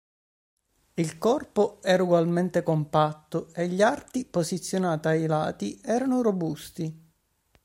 Il corpo era ugualmente compatto e gli arti posizionati ai lati erano robusti.